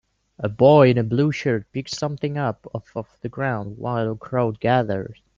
A boy in a blue shirt picks something up off of the ground while a crowd gathers.